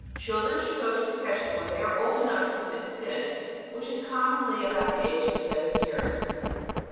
Children should go to Confession when they are old enough to commit sin, which is commonly about the age of seven years.